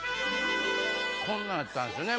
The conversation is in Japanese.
こんなんやったんすね